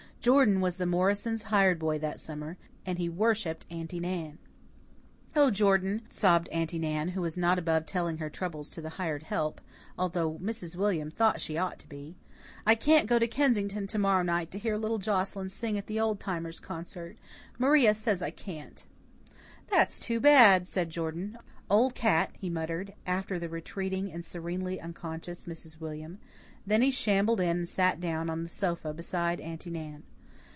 Jordan was the Morrisons' hired boy that summer, and he worshipped Aunty Nan. "Oh, Jordan," sobbed Aunty Nan, who was not above telling her troubles to the hired help, although Mrs. William thought she ought to be, "I can't go to Kensington to morrow night to hear little Joscelyn sing at the Old Timers' concert. Maria says I can't." "That's too bad," said Jordan. "Old cat," he muttered after the retreating and serenely unconscious Mrs. William. Then he shambled in and sat down on the sofa beside Aunty Nan.